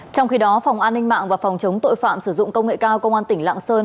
trong khi đó phòng an ninh mạng và phòng chống tội phạm sử dụng công nghệ cao công an tỉnh lạng sơn